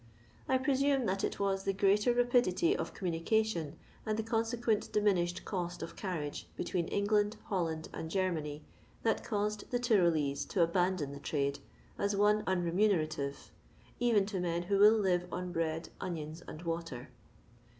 I presume that it was the greater rapidity of communication, and the conse quent diminished cost of carriage, between Eng land, Holland, and Germany, that caused the Tyrolesc to abandon the trade as one unremune rative — even to men who will live on bread, onions, and water.